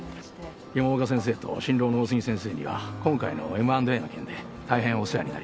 山岡先生と新郎の大杉先生には今回のＭ＆Ａの件で大変お世話になりました。